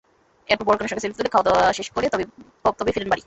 এরপর বর-কনের সঙ্গে সেলফি তুলে, খাওয়া-দাওয়া শেষ করে তবেই ফেরেন বাড়ি।